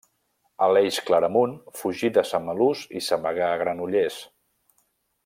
Aleix Claramunt fugí de Samalús i s'amagà a Granollers.